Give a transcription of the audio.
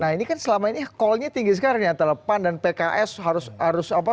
nah ini kan selama ini callnya tinggi sekarang nih antara pan dan pks harus apa